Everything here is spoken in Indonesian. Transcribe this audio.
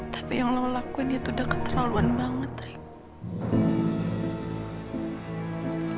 tapi yang lo lakuin itu udah keterlaluan banget deh